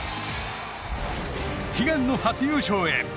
悲願の初優勝へ。